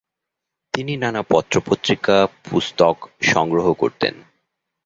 তিনি নানা পত্রপত্রিকা, পুস্তক সংগ্রহ করতেন।